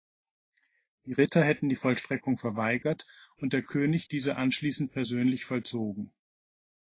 Die Ritter hätten die Vollstreckung verweigert und der König diese anschließend persönlich vollzogen.